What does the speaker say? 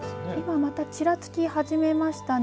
またちらつき始めましたね。